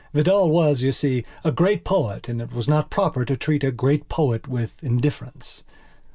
Vidal was, you see, a great poet and it was not proper to treat a great poet with indifference.